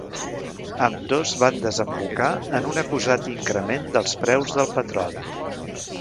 Ambdós van desembocar en un acusat increment dels preus del petroli.